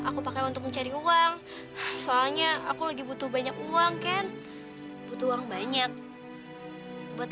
aku pakai untuk mencari uang soalnya aku lagi butuh banyak uang kan butuh uang banyak buat